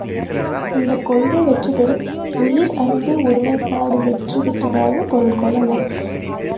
இந்தக் கொள்கை வெற்றி பெறின், உயிர் அன்பு ஒருமைப்பாடு வெற்றி பெற்றதாகப் பொருள் கொள்ளலாம்.